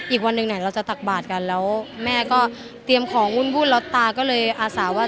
อีกวันนึงไหนเราจะตักบาดกันแล้วแม่ก็เตรียมของวุ่นไปอาสาว่า